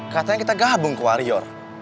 katanya kita gabung ke warior